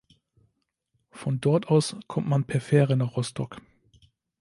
Von dort aus kommt man per Fähre nach Rostock.